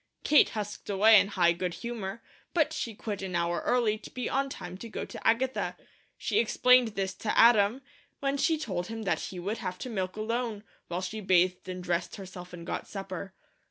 Kate husked away in high good humour, but she quit an hour early to be on time to go to Agatha. She explained this to Adam, when she told him that he would have to milk alone, while she bathed and dressed herself and got supper.